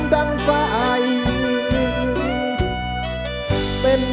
จริง